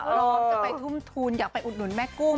พร้อมจะไปทุ่มทุนอยากไปอุดหนุนแม่กุ้ง